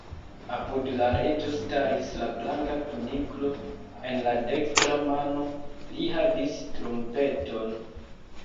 Apud la Reĝo staris la Blanka Kuniklo; en la dekstra mano li havis trumpeton.